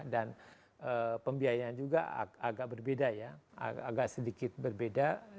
dan pembiayaan juga agak berbeda ya agak sedikit berbeda